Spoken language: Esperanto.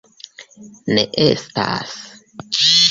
Ne estas.